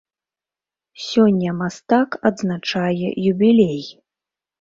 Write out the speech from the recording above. Сёння мастак адзначае юбілей.